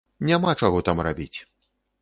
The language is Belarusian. Няма чаго там рабіць.